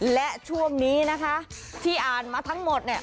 และช่วงนี้ที่อ่านมาทั้งหมด